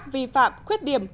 vi phạm khuyết điểm